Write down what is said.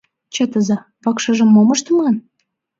— Чытыза: вакшыжым мом ыштыман?